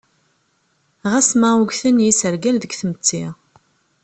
Ɣas ma ugten yisergal deg tmetti.